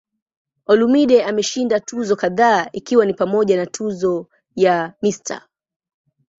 Olumide ameshinda tuzo kadhaa ikiwa ni pamoja na tuzo ya "Mr.